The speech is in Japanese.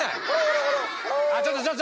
ちょっとちょっと。